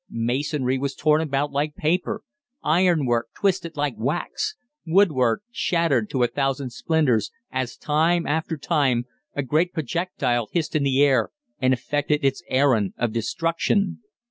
Masonry was torn about like paper, ironwork twisted like wax, woodwork shattered to a thousand splinters as, time after time, a great projectile hissed in the air and effected its errand of destruction.